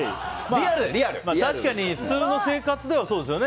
普通の生活ではそうですよね。